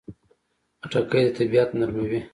خټکی د طبعیت نرموي.